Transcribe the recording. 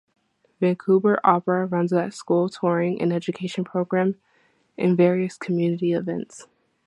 Vancouver Opera also runs a school touring and education program, and various community events.